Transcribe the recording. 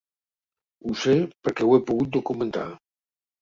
Ho sé perquè ho he pogut documentar.